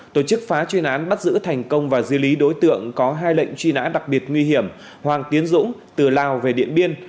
tổ chức phá chuyên án bắt giữ thành công và dư lý đối tượng có hai lệnh truy nã đặc biệt nguy hiểm hoàng tiến dũng từ lào về điện biên